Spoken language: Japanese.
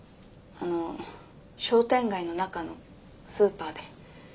あの商店街の中のスーパーで。